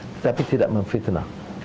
tetapi tidak memfitnah